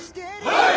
はい！